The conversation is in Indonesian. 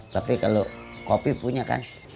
tapi kalau kopi punya kan